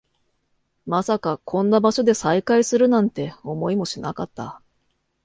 まさかこんな場所で再会するなんて、思いもしなかった